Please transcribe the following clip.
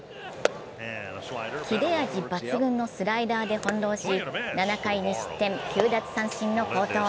切れ味抜群のスライダーで翻弄し、７回２失点９奪三振の好投。